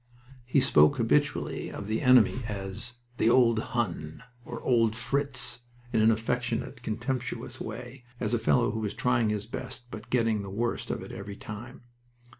He spoke habitually of the enemy as "the old Hun" or "old Fritz," in an affectionate, contemptuous way, as a fellow who was trying his best but getting the worst of it every time.